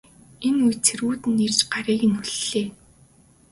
Энэ үед цэргүүд нь ирж гарыг нь хүллээ.